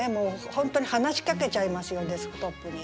本当に話しかけちゃいますよデスクトップに。